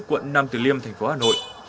quận năm từ liêm thành phố hà nội